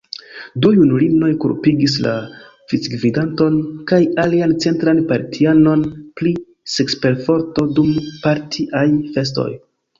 Du junulinoj kulpigis la vicgvidanton kaj alian centran partianon pri seksperforto dum partiaj festoj.